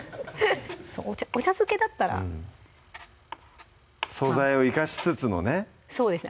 お茶漬けだったら素材を生かしつつのねそうですね